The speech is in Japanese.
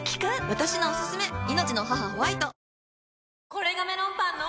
これがメロンパンの！